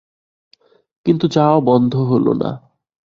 কিন্তু যাওয়া বন্ধ হল না।